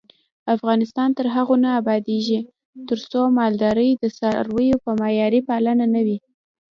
افغانستان تر هغو نه ابادیږي، ترڅو مالداري د څارویو په معیاري پالنه نه وي.